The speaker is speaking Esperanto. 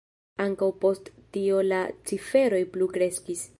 Ankaŭ post tio la ciferoj plu kreskis.